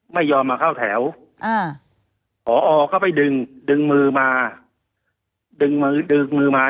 ไม่ยอมมาเข้าแถวอ่าพอก็ไปดึงดึงมือมาดึงมือดึงมือมา